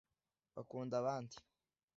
bakunda abandi